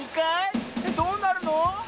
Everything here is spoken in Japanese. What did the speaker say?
どうなるの？